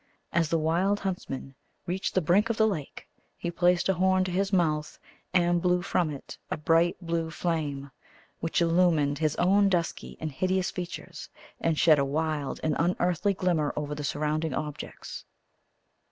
As the wild huntsman reached the brink of the lake, he placed a horn to his mouth, and blew from it a bright blue flame, which illumined his own dusky and hideous features, and shed a wild and unearthly glimmer over the surrounding objects.